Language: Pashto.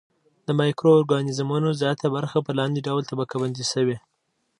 د مایکرو ارګانیزمونو زیاته برخه په لاندې ډول طبقه بندي شوې.